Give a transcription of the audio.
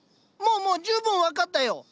もうもう十分分かったよ。